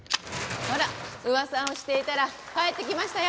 ほら噂をしていたら帰ってきましたよ。